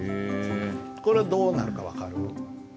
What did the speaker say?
これどうなるか分かる？